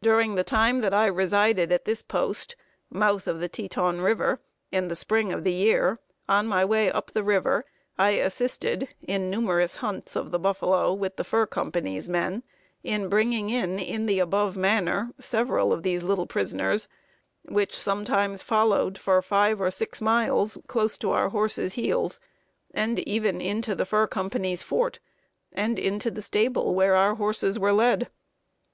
During the time that I resided at this post [mouth of the Tetón River] in the spring of the year, on my way up the river, I assisted (in numerous hunts of the buffalo with the fur company's men) in bringing in, in the above manner, several of these little prisoners, which sometimes followed for 5 or 6 miles close to our horse's heels, and even into the fur company's fort, and into the stable where our horses were led.